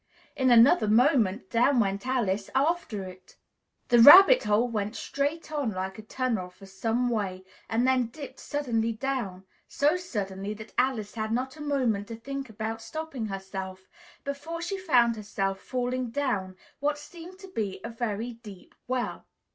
In another moment, down went Alice after it! The rabbit hole went straight on like a tunnel for some way and then dipped suddenly down, so suddenly that Alice had not a moment to think about stopping herself before she found herself falling down what seemed to be a very deep well.